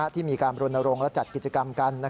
ที่มีการบรณรงค์และจัดกิจกรรมกัน